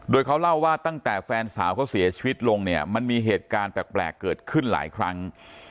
โดยเขาเล่าว่าตั้งแต่แฟนสาวเขาเสียชีวิตลงเนี่ยมันมีเหตุการณ์แปลกเกิดขึ้นหลายครั้ง